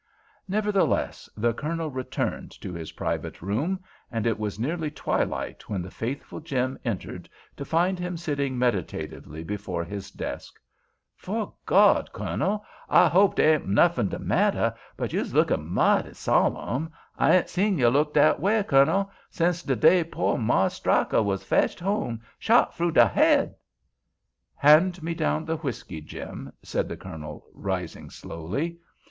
Nevertheless, the Colonel returned to his private room, and it was nearly twilight when the faithful Jim entered, to find him sitting meditatively before his desk. "'Fo' God! Kernel—I hope dey ain't nuffin de matter, but you's lookin' mightly solemn! I ain't seen you look dat way, Kernel, since de day pooh Marse Stryker was fetched home shot froo de head." "Hand me down the whiskey, Jim," said the Colonel, rising slowly.